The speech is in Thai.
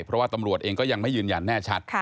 เพราะว่าตำรวจเองก็ยังไม่ยืนยันแน่ชัด